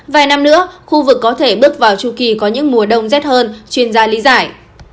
vài năm nữa khu vực có thể bước vào chu kỳ có những mùa đông rét hơn chuyên gia lý giải